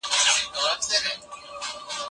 تاسي باید خپل کالي په لمر کي وچ کړئ.